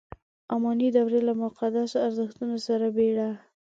اماني دورې له مقدسو ارزښتونو سره بېړه.